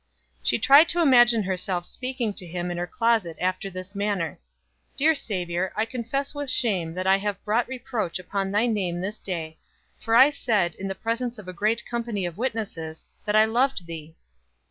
She tried to imagine herself speaking to him in her closet after this manner: "Dear Savior, I confess with shame that I have brought reproach upon thy name this day, for I said, in the presence of a great company of witnesses, that I loved thee!"